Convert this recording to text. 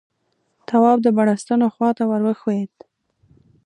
تواب د بړستنو خواته ور وښويېد.